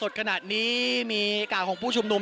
ไม่ทราบว่าตอนนี้มีการถูกยิงด้วยหรือเปล่านะครับ